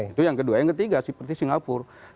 itu yang kedua yang ketiga seperti singapura